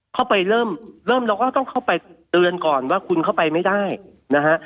เข้าไปเริ่มเริ่มเราก็ต้องเข้าไปเตือนก่อนว่าคุณเข้าไปไม่ได้นะฮะ